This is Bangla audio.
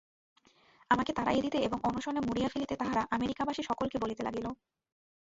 আমাকে তাড়াইয়া দিতে এবং অনশনে মারিয়া ফেলিতে তাহারা আমেরিকাবাসী সকলকে বলিতে লাগিল।